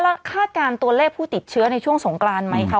แล้วคาดการณ์ตัวเลขผู้ติดเชื้อในช่วงสงกรานไหมคะ